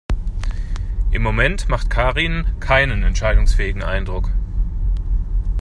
Im Moment macht Karin keinen entscheidungsfähigen Eindruck.